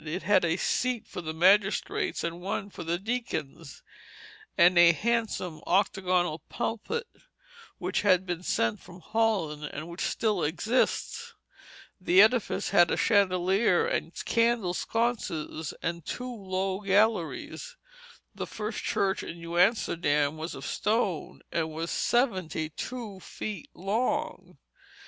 It had a seat for the magistrates and one for the deacons, and a handsome octagonal pulpit which had been sent from Holland, and which still exists. The edifice had a chandelier and candle sconces and two low galleries. The first church in New Amsterdam was of stone, and was seventy two feet long.